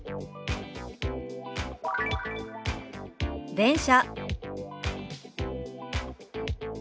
「電車」。